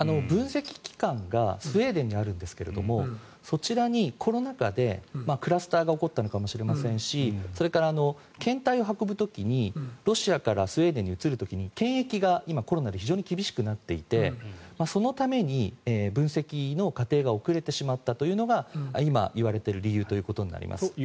分析機関がスウェーデンにあるんですがそちらにコロナ禍でクラスターが起こったのかもしれませんしそれから検体を運ぶ時にロシアからスウェーデンに移る時に検疫が今コロナで非常に厳しくなっていてそのために分析の過程が遅れてしまったというのが今、言われている理由となります。